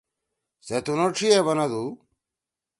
سے تنُو ڇھی ئے بنَدُو: